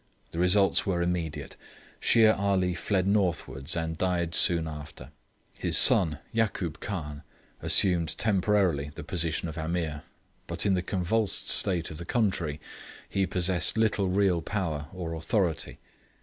The results were immediate: Shere Ali fled northwards, and died soon after. His son, Yakoob Khan, assumed temporarily the position of Ameer, but in the convulsed state of the country lie possessed little real power or authority.